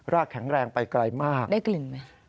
แข็งแรงไปไกลมากได้กลิ่นไหม